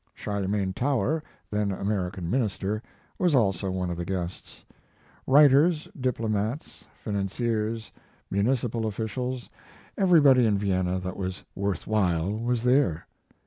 Charlemagne Tower, then American minister, was also one of the guests. Writers, diplomats, financiers, municipal officials, everybody in Vienna that was worth while, was there.